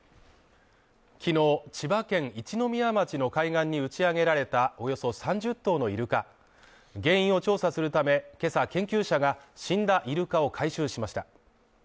昨日、千葉県一宮町の海岸に打ち上げられたおよそ３０頭のイルカ原因を調査するため、今朝研究者が死んだイルカを回収しました。